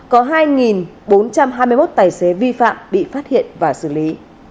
có hai bốn trăm hai mươi một tài xế vi phạm bị phát hiện và xử lý